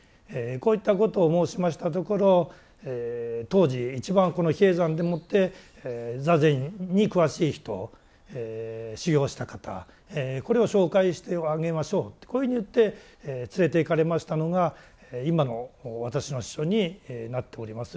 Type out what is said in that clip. こういったことを申しましたところ当時一番この比叡山でもって座禅に詳しい人修行した方これを紹介してあげましょうってこういうふうに言って連れて行かれましたのが今の私の師匠になっております